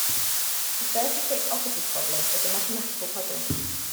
The thirty-six officers problem is a mathematical puzzle.